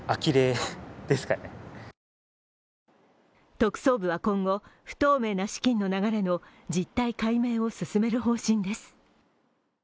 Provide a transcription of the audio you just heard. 特捜部は今後、不透明な資金の流れの実態解明を進める方針です。